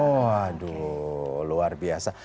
waduh luar biasa